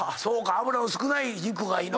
脂の少ない肉がいいの？